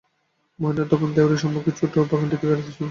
মহেন্দ্র তখন দেউড়ির সম্মুখে ছোটো বাগানটিতে বেড়াইতেছিল।